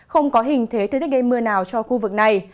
không có hình thế thích gây mưa nào cho khu vực này